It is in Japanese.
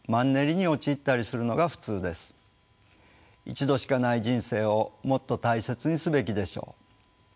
一度しかない人生をもっと大切にすべきでしょう。